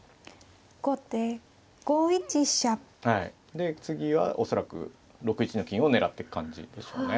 で次は恐らく６一の金を狙っていく感じでしょうね。